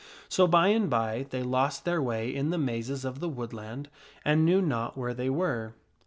So, by and by, they lost their way in the mazes of the woodland and knew not where they were.